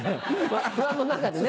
不安の中でね。